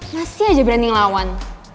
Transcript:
masih aja branding lawan